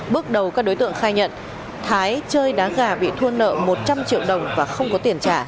bước đầu các đối tượng khai nhận thái chơi đá gà bị thua nợ một trăm linh triệu đồng và không có tiền trả